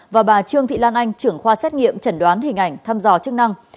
và bà trương thị lan anh trưởng khoa xét nghiệm chẩn đoán hình ảnh thăm dò chức năng